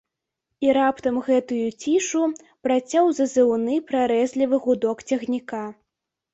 І раптам гэтую цішу працяў зазыўны прарэзлівы гудок цягніка.